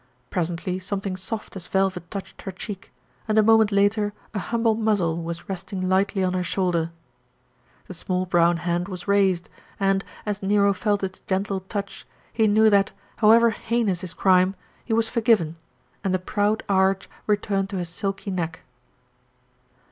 Presently something soft as velvet touched her cheek, and a moment later a humble muzzle was resting lightly on her shoulder. The small brown hand was raised and, as Nero felt its gentle touch, he knew that, however heinous his crime, he was forgiven, and the proud arch returned to his silky neck.